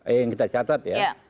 eh yang kita catat ya